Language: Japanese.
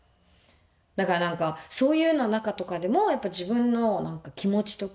だから何かそういうのの中とかでも自分の気持ちとか。